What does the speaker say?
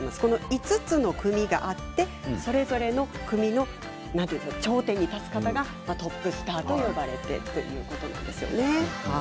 ５つの組があってそれぞれの組の頂点に立つ方がトップスターと呼ばれているということですよね。